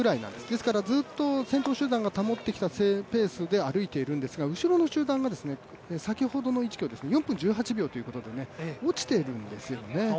ですからずっと先頭集団が保ってきたペースで歩いているんですが、後ろの集団が先ほどの１ｋｍを４分８秒ということで落ちてるんですよね。